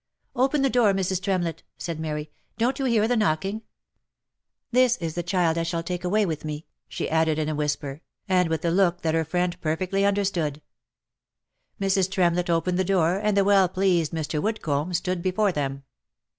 " Open the door, Mrs. Tremlett !" said Mary. " Don't you hear the knocking ? This is the child I shall take away with me," she added in a whisper, and with a look that her friend perfectly under stood. Mrs. Tremlett opened the door, and the well pleased Mr. Wood comb stood before them.